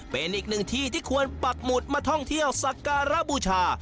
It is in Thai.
เป็นอีกหนึ่งที่ที่ควรปักหมุดมาท่องเที่ยวสักการะบูชา